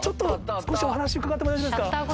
少しお話伺ってもよろしいですか？